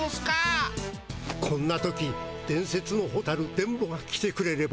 こんな時伝説のホタル伝ボが来てくれれば。